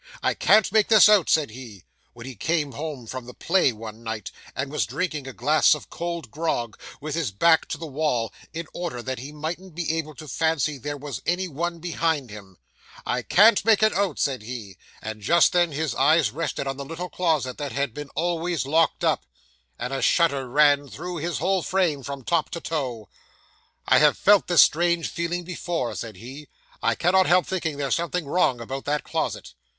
"I can't make this out," said he, when he came home from the play one night, and was drinking a glass of cold grog, with his back to the wall, in order that he mightn't be able to fancy there was any one behind him "I can't make it out," said he; and just then his eyes rested on the little closet that had been always locked up, and a shudder ran through his whole frame from top to toe. "I have felt this strange feeling before," said he, "I cannot help thinking there's something wrong about that closet."